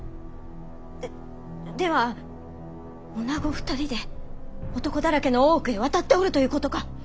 ででは女２人で男だらけの大奥へ渡っておるということか。